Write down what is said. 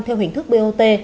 theo hình thức bot